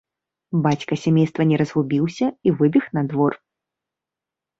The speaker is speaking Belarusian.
Бацька сямейства не разгубіўся і выбег на двор.